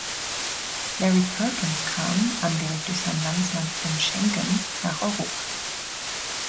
Larry Perkins kam, angeregt durch seinen Landsmann Tim Schenken, nach Europa.